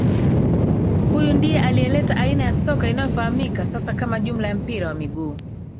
Huyu ndiye aliyeleta aina ya soka inayofahamika sasa kama jumla ya mpira wa miguu